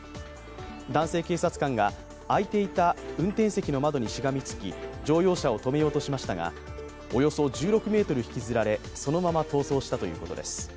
男性警察官が開いていた運転席の窓にしがみつき乗用車を止めようとしましたがおよそ１６ｍ引きずられそのまま逃走したということです。